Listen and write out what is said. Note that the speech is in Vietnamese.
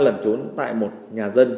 lẩn trốn tại một nhà dân trong xóm